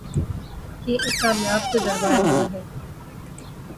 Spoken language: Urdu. یہ ایک کامیاب تجربہ رہا ہے۔